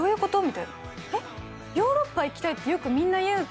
みたいな「えっ？ヨーロッパ行きたいってよくみんな言うけど」